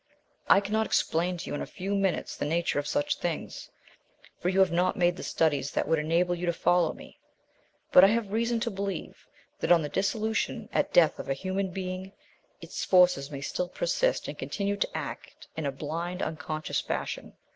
I cannot explain to you in a few minutes the nature of such things, for you have not made the studies that would enable you to follow me; but I have reason to believe that on the dissolution at death of a human being, its forces may still persist and continue to act in a blind, unconscious fashion.